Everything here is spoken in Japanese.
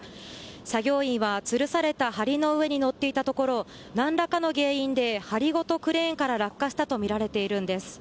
作業員はつるされた梁の上に乗っていたところを何らかの原因で梁ごとクレーンから落下したとみられているんです。